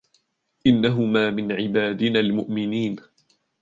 إنهما من عبادنا المؤمنين